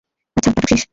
আচ্ছা, নাটক শেষ।